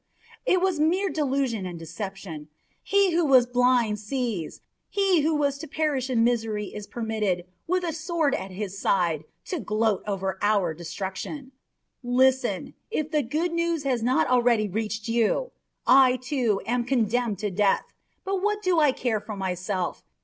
It was mere delusion and deception. He who was blind sees. He who was to perish in misery is permitted, with a sword at his side, to gloat over our destruction. Listen, if the good news has not already reached you! I, too, am condemned to death. But what do I care for myself?